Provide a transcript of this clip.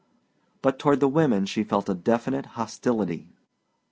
But toward the women she felt a definite hostility.